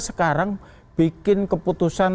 sekarang bikin keputusan